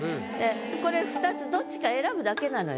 これ２つどっちか選ぶだけなのよ。